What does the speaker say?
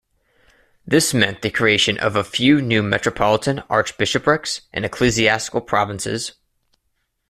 This meant the creation of a few new Metropolitan archbishoprics and ecclesiastical provinces.